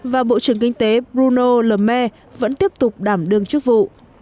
và bộ trưởng kinh tế bruno le maire vẫn tiếp tục đảm đương chức vụ